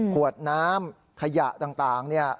ขวดน้ำขยะต่างเนี่ย